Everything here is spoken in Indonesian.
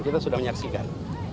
kita sudah menyaksikan